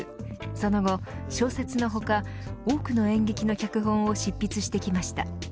その後、小説の他多くの演劇の脚本を執筆してきました。